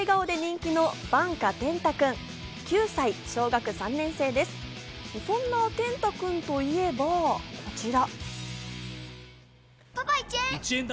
そんな天嵩君といえばこちら。